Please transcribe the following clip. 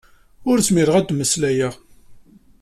Ur zmireɣ ad mmeslayeɣ.